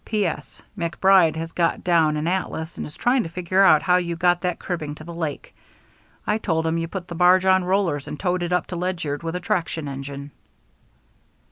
P.S. MacBride has got down an atlas and is trying to figure out how you got that cribbing to the lake. I told him you put the barge on rollers and towed it up to Ledyard with a traction engine.